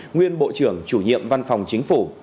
nguyên bộ trưởng chủ nhiệm văn phòng chính phủ